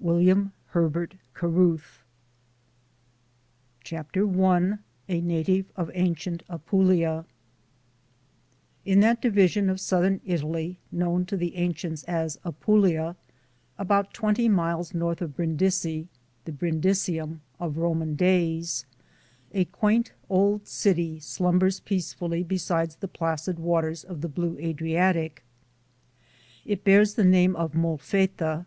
WUUwn Herbert Carruth. THE SOUL OF AN IMMIGRANT CHAPTER I A NATIVE OF ANCIENT APULIA IN that division of southern Italy known to the ancients as "Apulia," about twenty miles north of Brindisi, the Brindisium of Roman days, a quaint old city slumbers peacefully beside the placid waters of the blue Adriatic. It bears the name of "Molfetta."